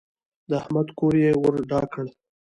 د احمد کور يې ور ډاک کړ.